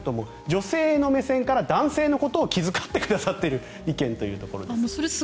女性の目線から男性のことを気遣ってくださっている意見というところです。